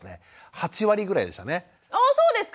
８割ぐらいでしたね。